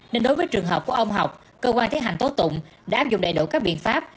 nên đối với trường hợp của ông học cơ quan thiết hành tố tụng đã áp dụng đầy đủ các biện pháp